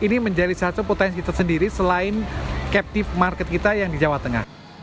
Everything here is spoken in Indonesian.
ini menjadi satu potensi tersendiri selain captive market kita yang di jawa tengah